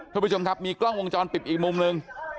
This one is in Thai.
ทุกผู้ชมครับมีกล้องวงจรปิดอีกมุมหนึ่ง